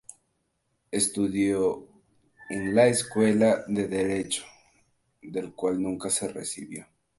Estudió en la Escuela de Derecho del cual nunca se recibió.